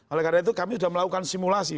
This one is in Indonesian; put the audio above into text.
oleh karena itu kami sudah melakukan simulasi